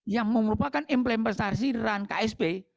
yang merupakan implementasi ran ksp